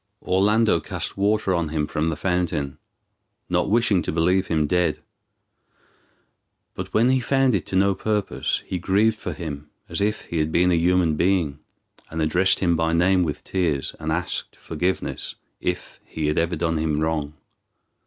Orlando cast water on him from the fountain, not wishing to believe him dead; but when he found it to no purpose, he grieved for him as if he had been a human being, and addressed him by name with tears, and asked forgiveness if he had ever done him wrong.